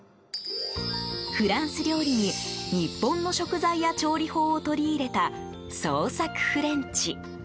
フランス料理に日本の食材や調理法を取り入れた創作フレンチ。